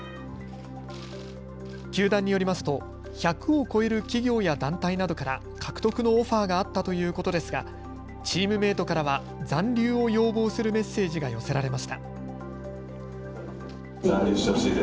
球団によりますと１００を超える企業や団体などから獲得のオファーがあったということですがチームメートからは残留を要望するメッセージが寄せられました。